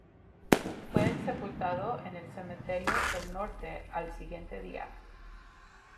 Fue sepultado en el Cementerio del Norte al siguiente día.